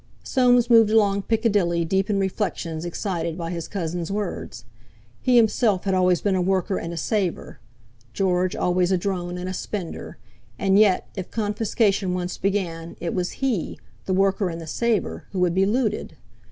Soames moved along Piccadilly deep in reflections excited by his cousin's words. He himself had always been a worker and a saver, George always a drone and a spender; and yet, if confiscation once began, it was he—the worker and the saver—who would be looted!